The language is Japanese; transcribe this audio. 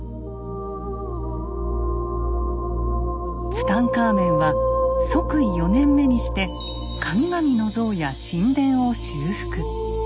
ツタンカーメンは即位４年目にして神々の像や神殿を修復。